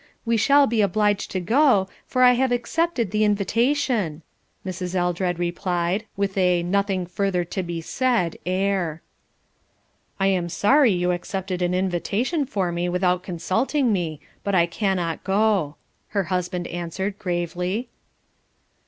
We shall be obliged to go, for I have accepted the invitation," Mrs. Eldred replied, with a nothing further to be said air. "I am sorry you accepted an invitation for me, without consulting me, but I cannot go," her husband answered gravely.